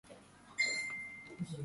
ტბას აქვს ყელიანი გოგრის ფორმა.